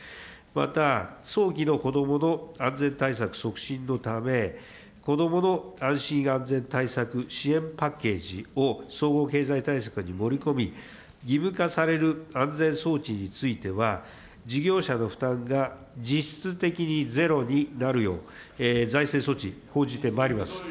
また、早期の子どもの安全対策促進のため、子どもの安心安全対策支援パッケージを総合経済対策に盛り込み、義務化される安全装置については、事業者の負担が実質的にゼロになるよう、財政措置講じてまいります。